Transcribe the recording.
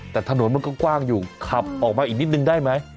แต่ถนนมันก็กว้างอยู่ขับออกมาอีกนิดนึงได้ไหม